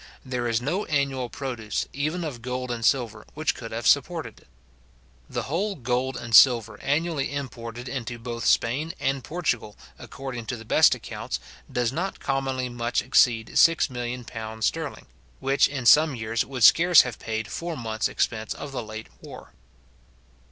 There is no annual produce, even of gold and silver, which could have supported it. The whole gold and silver annually imported into both Spain and Portugal, according to the best accounts, does not commonly much exceed £6,000,000 sterling, which, in some years, would scarce have paid four months expense of the late war.